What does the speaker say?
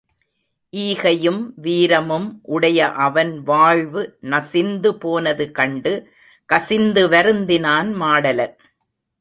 ஈகையும் வீரமும் உடைய அவன் வாழ்வு நசிந்து போனது கண்டு கசிந்து வருந்தினான் மாடலன்.